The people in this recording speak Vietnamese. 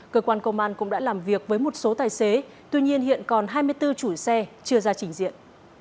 cơ quan công an cũng đã làm việc với một số tài xế tuy nhiên hiện còn hai mươi bốn chủi xe chưa ra trình diện